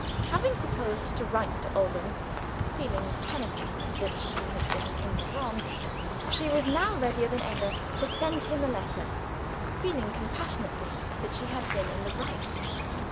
Having proposed to write to Alban, feeling penitently that she had been in the wrong, she was now readier than ever to send him a letter, feeling compassionately that she had been in the right.